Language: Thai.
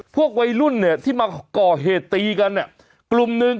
พวกวัยรุ่นที่มาก่อเหตุรุกลุ่มหนึ่ง